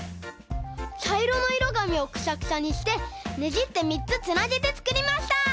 ちゃいろのいろがみをクシャクシャにしてねじってみっつつなげてつくりました！